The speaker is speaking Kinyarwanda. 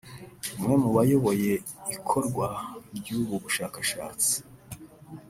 umwe mu bayoboye ikorwa ry’ubu bushakashatsi